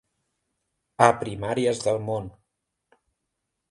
A primàries del món.